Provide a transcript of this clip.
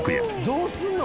どうすんの？